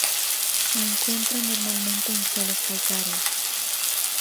Se encuentra normalmente en suelos calcáreos.